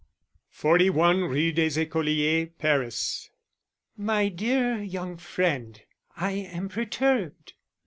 _ 41 Rue des Ecoliers, Paris. _My dear young Friend, I am perturbed.